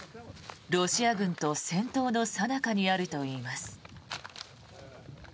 ロシア軍と戦闘のさなかにあるといいます。